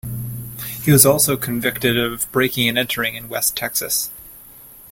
He was also convicted of breaking and entering in West Texas.